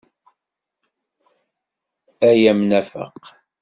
A amnafeq!